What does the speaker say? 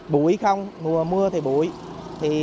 bụi không mùa mưa thì bụi